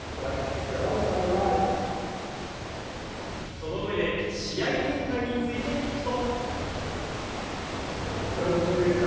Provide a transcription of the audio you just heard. その上で試合展開について聞くと。